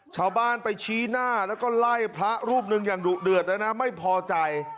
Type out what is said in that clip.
ชาวบ้านไปชี้หน้าแล้วก็ไล่พระรูปหนึ่งอย่างดุเดือดแล้วนะไม่พอใจ